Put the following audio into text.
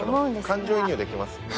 感情移入できますしね。